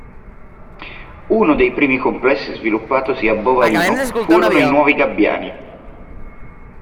Uno dei primi complessi sviluppatosi a Bovalino furono i "Nuovi Gabbiani".